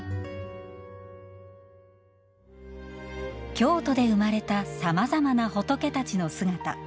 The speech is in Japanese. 京都で生まれたさまざまな仏たちの姿。